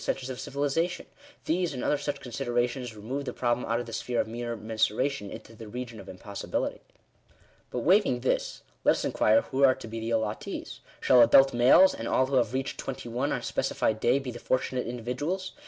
to the centres of civilisation — these, and other such considera tions, remove the problem out of the sphere of mere mensura tion into the region of impossibility. But, waiving this, let us inquire who are to be the allottees. Shall adult males, and all who have reached twenty one on a specified day, be the fortunate individuals